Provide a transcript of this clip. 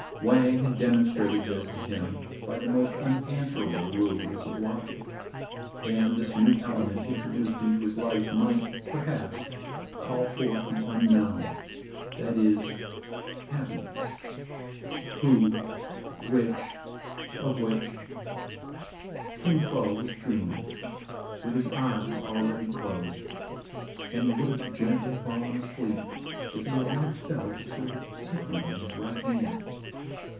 Wang had demonstrated this to him by the most unanswerable rules of logic ; and this new element introduced into his life might, perhaps, call forth the unknown, — that is, happiness, — who, — which, — of which — Kin Fo was dreaming, with his . eyes already closed ; and he would have gently fallen asleep, if he had not felt a sort of tickling in his right hand.